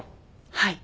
はい。